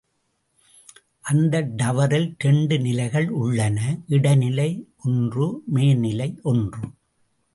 அந்த டவரில் இரண்டு நிலைகள் உள்ளன இடைநிலை ஒன்று மேல் நிலை ஒன்று.